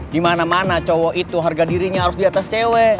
di mana mana cowok itu harga dirinya harus di atas cewek